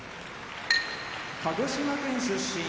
鹿児島県出身